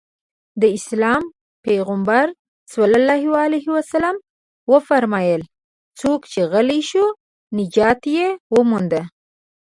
د اسلام پيغمبر ص وفرمايل څوک چې غلی شو نجات يې ومونده.